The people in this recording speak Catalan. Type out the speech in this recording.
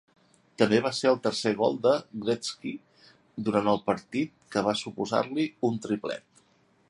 També va ser el tercer gol de Gretzky durant el partit, que va suposar-li un triplet.